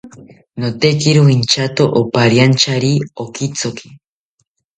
Notekiro inchato opariantyari okithoki